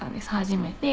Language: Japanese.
初めて。